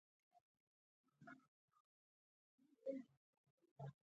ازادي راډیو د د بشري حقونو نقض په اړه د روغتیایي اغېزو خبره کړې.